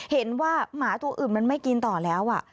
เห็นว่าหมาตัวอื่นมันไม่กินต่อแล้ว